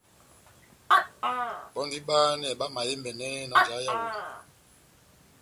Bɔ́ndini bahanɛ bamahembɛnɛ na njeya yá Yawondɛ.